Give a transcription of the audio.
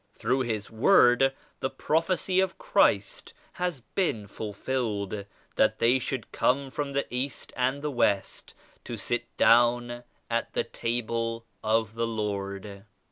Through 74 His Word the prophecy of Christ has been ful filled ; that they should come from the East and the West to sit down at the Table of the Lord.